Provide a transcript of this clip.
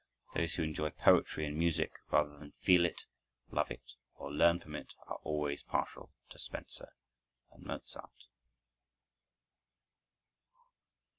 Those who enjoy poetry and music, rather than feel it, love it, or learn from it, are always partial to Spenser and Mozart.